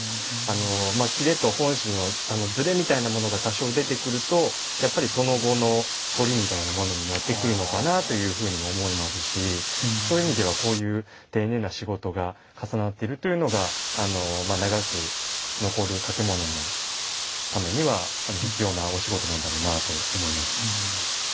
裂と本紙のズレみたいなものが多少出てくるとやっぱりその後の反りみたいなものになってくるのかなというふうにも思いますしそういう意味ではこういう丁寧な仕事が重なってるというのが長く残る掛物のためには必要なお仕事なんだろうなと思います。